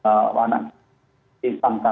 kami merasa dipercaya oleh isu isu yang di luar